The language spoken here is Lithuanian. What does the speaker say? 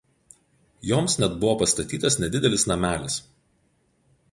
Joms net buvo pastatytas nedidelis namelis.